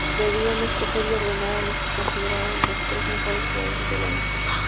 Debían escoger y ordenar a los que consideraban los tres mejores jugadores del año.